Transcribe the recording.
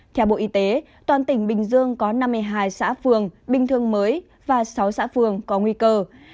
theo bộ y tế toàn tỉnh bình dương có năm mươi hai xã phường bình thường mới và sáu xã phường có nguy cơ